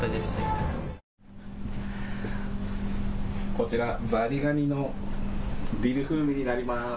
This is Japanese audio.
こちら、ザリガニのディル風味になります。